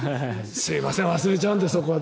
すいません忘れちゃうんです。